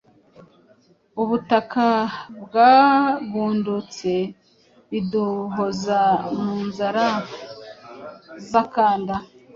ubutaka bwagundutse, biduhoza mu nzara z’akanda,